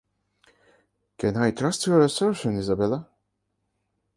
Can I trust your assertion, Isabella?